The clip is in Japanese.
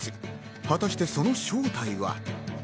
果たしてその正体は？